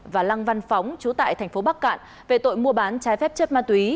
và lăng văn phóng chú tại thành phố bắc cạn về tội mua bán trái phép chất ma túy